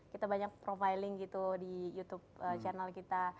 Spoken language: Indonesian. kita banyak profiling gitu di youtube channel kita